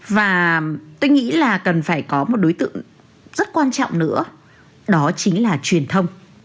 và tôi nghĩ là cần phải có một đối tượng rất quan trọng nữa đó chính là truyền thông